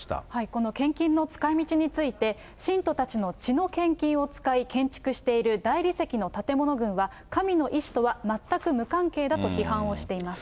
この献金の使いみちについて、信徒たちの血の献金を使い建築している大理石の建物群は神の意思とは全く無関係だと批判をしています。